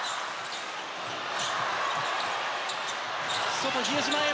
外の比江島へ。